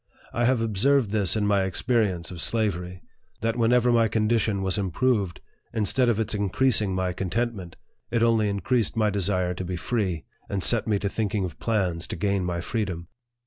I have observed this in my experience of slavery, that whenever my condition was improved, instead of its increasing my contentment, it only increased my desire to be free, and set me to thinking of plans to gain my freedom.